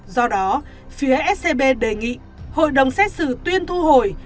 do đó phía scb đề nghị hội đồng xét xử tuyên thu hồi